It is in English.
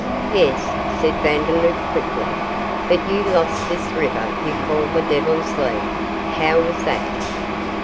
'Yes,' said Vandeloup quickly, 'but you lost this river you call the Devil's Lead how was that?